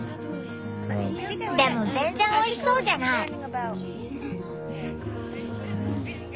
でも全然おいしそうじゃない！